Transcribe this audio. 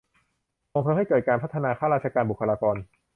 ส่งเสริมให้เกิดการพัฒนาข้าราชการ บุคลากร